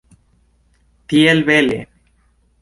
Tiel bele!